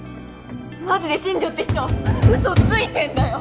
マジで新庄って人嘘ついてんだよ！